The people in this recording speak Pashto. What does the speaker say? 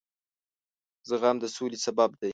زغم د سولې سبب دی.